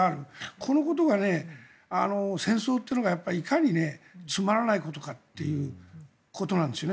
このことが戦争というのがいかにつまらないことかということなんです。